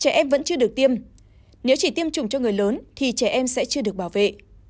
trẻ em vẫn chưa được tiêm nếu chỉ tiêm chủng cho người lớn thì trẻ em sẽ chưa được bảo vệ